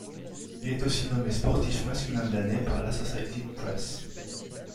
Il est aussi nommé sportif masculin de l'année par l'Associated Press.